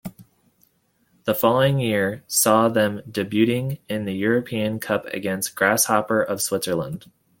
The following year saw them debuting in the European Cup against Grasshopper of Switzerland.